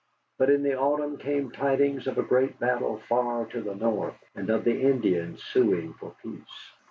But in the autumn came tidings of a great battle far to the north, and of the Indians suing for peace.